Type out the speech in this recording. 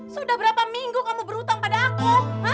sudah berapa minggu kamu berhutang pada aku